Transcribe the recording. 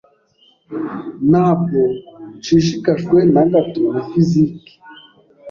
Ntabwo nshishikajwe na gato na fiziki.